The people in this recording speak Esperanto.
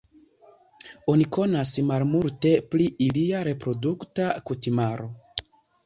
Oni konas malmulte pri ilia reprodukta kutimaro.